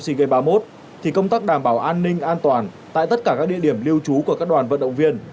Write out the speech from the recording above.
sea games ba mươi một thì công tác đảm bảo an ninh an toàn tại tất cả các địa điểm lưu trú của các đoàn vận động viên